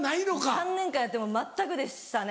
３年間やっても全くでしたね。